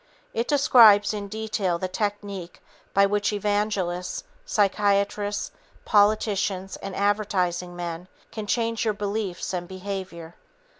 It describes in detail the technique by which evangelists, psychiatrists, politicians and advertising men can change your beliefs and behavior.